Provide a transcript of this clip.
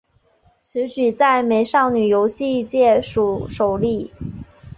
此举在美少女游戏界属首例。